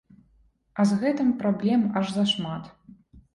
А з гэтым праблем аж зашмат.